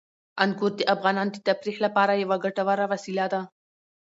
انګور د افغانانو د تفریح لپاره یوه ګټوره وسیله ده.